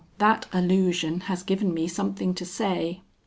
that allusion has given me something to say.